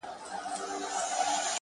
نجلۍ ولاړه په هوا ده او شپه هم يخه ده!!